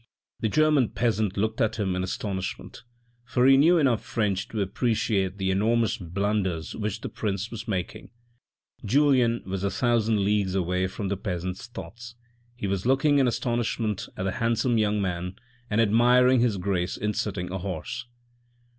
The German peasant looked at him in astonishment ; for he knew enough French to appreciate the enormous blunders which the prince was making. Julien was a thousand leagues away from the peasant's thoughts. He was looking in astonishment at the handsome young man and admiring his grace in sitting a horse.